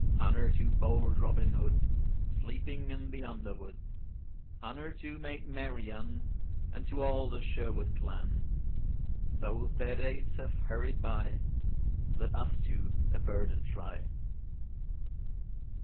Honour to bold Robin Hood, Sleeping in the underwood! Honour to maid Marian, And to all the Sherwood clan! Though their days have hurried by Let us two a burden try.